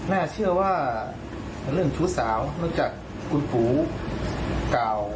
น่าเชื่อว่าเรื่องชูสาวนอกจากกุลภูก์กล่าว